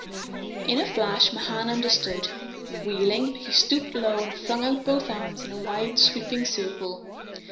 In a flash Mahan understood. Wheeling, he stooped low and flung out both arms in a wide sweeping circle.